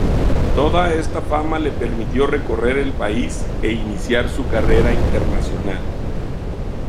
Toda esta fama le permitió recorrer el país e iniciar su carrera internacional.